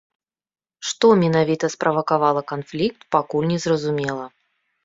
Што менавіта справакавала канфлікт, пакуль незразумела.